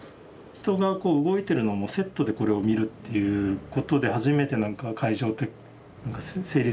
人が動いてるのもセットでこれを見るっていうことで初めてなんか会場って成立するような気がしていて。